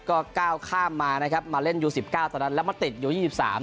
ก็ก้าวข้ามมานะครับมาเล่นยูสิบเก้าตอนนั้นแล้วมาติดยูยี่สิบสาม